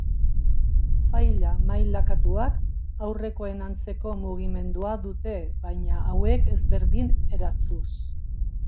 Faila-mailakatuak aurrekoen antzeko mugimendua dute baina hauek ezberdin eratuz.